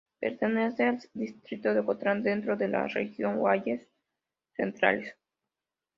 Pertenece al distrito de Ocotlán, dentro de la región valles centrales.